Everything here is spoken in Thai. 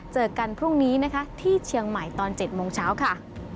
เจอกันพรุ่งนี้นะคะที่เชียงใหม่ตอน๗โมงเช้าค่ะ